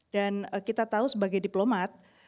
dan kita tahu sebagai diplomat